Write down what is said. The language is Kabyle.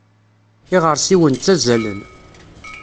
Iɣersiwen ttazzalen.